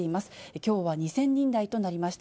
きょうは２０００人台となりました。